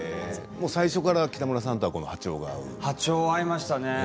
最初から北村さんとは波長が合ったんですか。